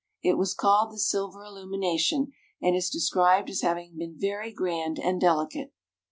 It was called the silver illumination, and is described as having been very grand and delicate.